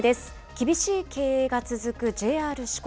厳しい経営が続くＪＲ四国。